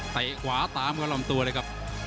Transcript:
เตะหวาตามก็ล้อมตัวเลยครับ